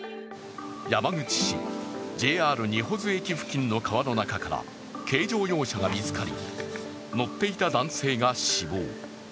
山口市、ＪＲ仁保津駅付近の川の中から軽乗用車が見つかり乗っていた男性が死亡。